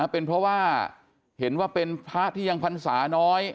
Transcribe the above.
เป็นเพราะว่าเห็นว่าเป็นพระที่ยังพรรษาน้อย